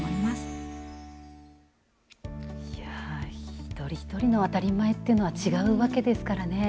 一人一人の当たり前というのは違うわけですからね。